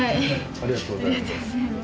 ありがとうございます。